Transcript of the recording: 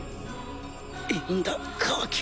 いいんだカワキ